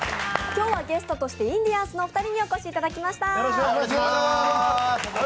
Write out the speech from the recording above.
今日はゲストとしてインディアンスのお二人にお越しいただきました。